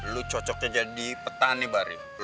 lo cocok aja di petani bar ya